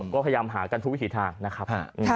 ก็พยายามหากันทุกวิถีทางนะครับ